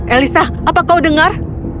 elisa apa kau dengar